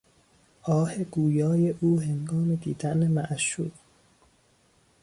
آه گویای او هنگام دیدن معشوق